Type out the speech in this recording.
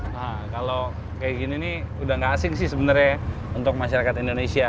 nah kalau kayak gini nih udah gak asing sih sebenarnya untuk masyarakat indonesia